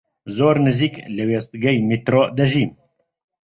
زۆر نزیک لە وێستگەی میترۆ دەژیم.